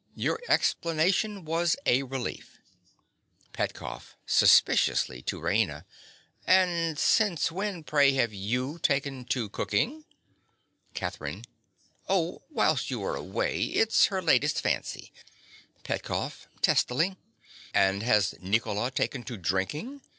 _) Your explanation was a relief. PETKOFF. (suspiciously, to Raina). And since when, pray, have you taken to cooking? CATHERINE. Oh, whilst you were away. It is her latest fancy. PETKOFF. (testily). And has Nicola taken to drinking?